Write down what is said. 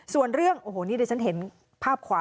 ส่วนเรื่องโอ้โหนี่ดิฉันเห็นภาพขวา